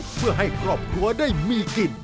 เพื่อให้ครอบครัวได้มีกิน